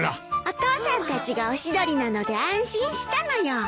お父さんたちがオシドリなので安心したのよ。